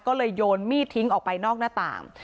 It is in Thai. ก็เลยโยนมีดทิ้งออกไปนอกหน้าต่าง